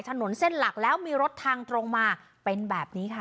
ถนนเส้นหลักแล้วมีรถทางตรงมาเป็นแบบนี้ค่ะ